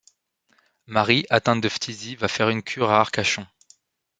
Marie, atteinte de phtisie, va faire une cure à Arcachon.